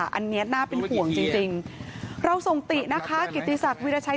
มันเนี๊ยดหน้าเป็นห่วงจริงจริงเราส่งตินะคะกิตฤศักดิ์วิทยาชาย